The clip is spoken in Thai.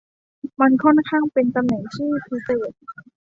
มันค่อนข้างเป็นตำแหน่งที่พิเศษ